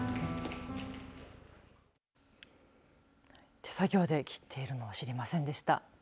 手作業で切っているのは知りませんでした。